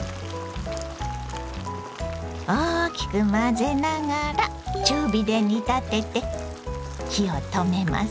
大きく混ぜながら中火で煮立てて火を止めます。